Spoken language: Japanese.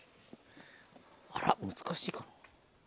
あら難しいかな。